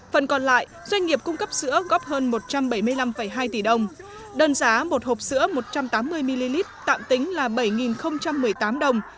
phần còn lại doanh nghiệp cung cấp sữa góp hơn một trăm bảy mươi năm hai tỷ đồng đơn giá một hộp sữa một trăm tám mươi ml tạm tính là bảy một mươi tám đồng